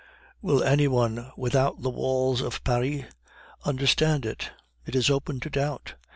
Will any one without the walls of Paris understand it? It is open to doubt.